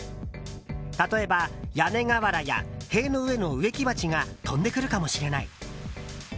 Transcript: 例えば、屋根瓦や塀の上の植木鉢が飛んでくるかもしれない。